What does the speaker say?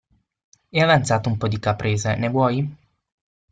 È avanzata un po' di caprese, ne vuoi?